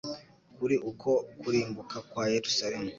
Kuri uko kurimbuka kwa Yerusalemu,